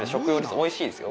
おいしいですよ。